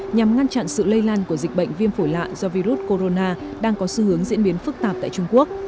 nhằm ngăn chặn sự lây lan của dịch bệnh viêm phổi lạ do virus corona đang có xu hướng diễn biến phức tạp tại trung quốc